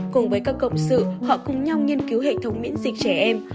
cùng với các cộng sự họ cùng nhau nghiên cứu hệ thống miễn dịch trẻ em